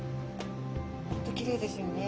本当きれいですよね。